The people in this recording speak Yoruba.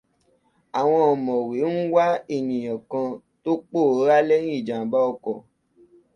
Àwọn òmùwẹ̀ ń wá ènìyàn kan tó pòórá lẹ́yìn ìjàmbá ọkọ̀.